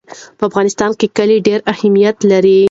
په افغانستان کې کلي ډېر اهمیت لري.